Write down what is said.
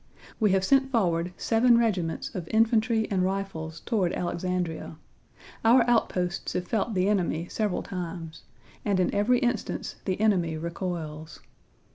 We have sent forward seven regiments of infantry and rifles toward Alexandria. Our outposts have felt the enemy several times, and in every instance the enemy recoils.